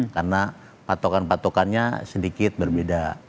karena patokan patokannya sedikit berbeda